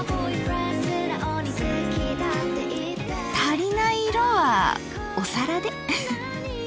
足りない色はお皿で。